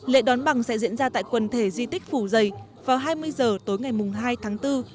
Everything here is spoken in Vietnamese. lễ đón bằng sẽ diễn ra tại quần thể di tích phủ giày vào hai mươi h tối ngày hai tháng bốn